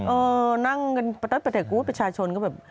เออนั่งกันประเทศกรุกว่าประชาชนก็แบบ